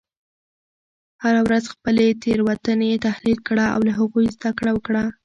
هره ورځ خپلې تیروتنې تحلیل کړه او له هغوی زده کړه وکړه.